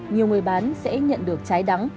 nhiều người bán sẽ nhận được trái đắng